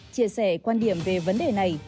chia sẻ quan điểm về vấn đề này